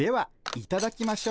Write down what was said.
いただきます。